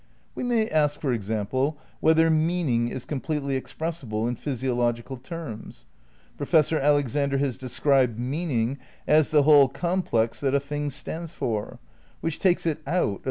We may ask, for example, whether meaning is com pletely expressible in physiological terms? Professor Alexander has described meaning as "the whole com plex that a thing stands for"; which takes it out of the ' Space, Time and Deity, Vol.